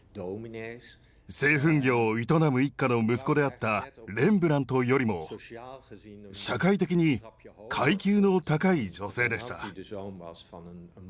製粉業を営む一家の息子であったレンブラントよりも社会的に階級の高い女性でした。